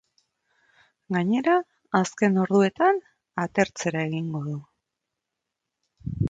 Gainera, azken orduetan atertzera egingo du.